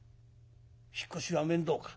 引っ越しは面倒か？